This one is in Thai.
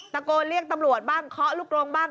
ตะโกนเรียกตำรวจบ้างเคาะลูกลงบ้าง